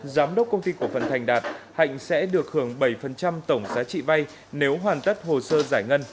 giám đốc công ty cổ phần thành đạt hạnh sẽ được hưởng bảy tổng giá trị vay nếu hoàn tất hồ sơ giải ngân